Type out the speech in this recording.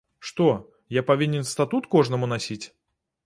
Што, я павінен статут кожнаму насіць?